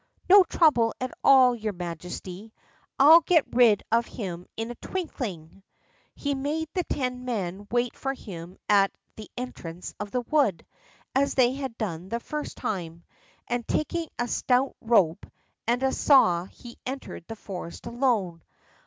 "No trouble at all, your majesty. I'll get rid of him in a twinkling." He made the ten men wait for him at the entrance to the wood, as they had done the first time, and taking a stout rope and a saw he entered the forest alone.